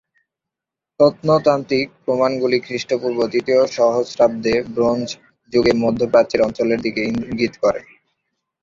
প্রত্নতাত্ত্বিক প্রমাণগুলি খ্রিস্টপূর্ব তৃতীয় সহস্রাব্দে ব্রোঞ্জ যুগে মধ্য প্রাচ্যের অঞ্চলের দিকে ইঙ্গিত করে।